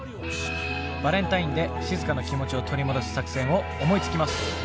バレンタインでしずかの気持ちを取り戻す作戦を思いつきます！